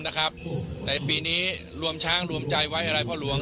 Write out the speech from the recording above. ในปีนี้รวมช้างรวมใจไว้อะไรพ่อหลวง